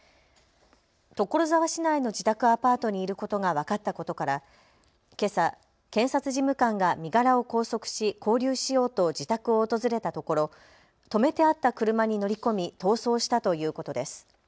所沢市内の自宅アパートにいることが分かったことからけさ検察事務官が身柄を拘束し勾留しようと自宅を訪れたところ止めてあった車に乗り込み逃走したということです。